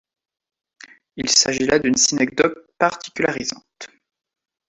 Il s'agit là d'une synecdoque particularisante.